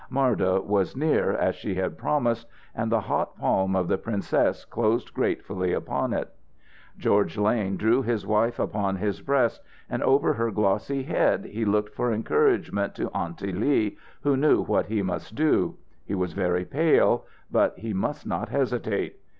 Marda was near, as she had promised, and the hot palm of the princess closed gratefully upon it. George Lane drew his wife upon his breast, and over her glossy head he looked for encouragement to Aunty Lee, who knew what he must do. He was very pale, but he must not hesitate.